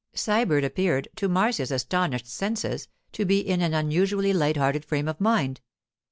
Sybert appeared, to Marcia's astonished senses, to be in an unusually light hearted frame of mind.